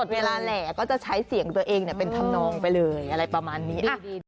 เวลาแหล่ก็จะใช้เสียงตัวเองเป็นธรรมนองไปเลยอะไรประมาณนี้